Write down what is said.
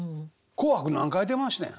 「紅白」何回出ましたんや？